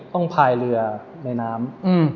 ต้องพลายเรือในน้ำ